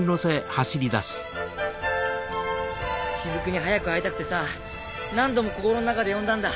雫に早く会いたくてさ何度も心の中で呼んだんだ。